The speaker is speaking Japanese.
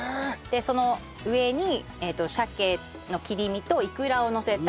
その上に鮭の切り身といくらをのせた。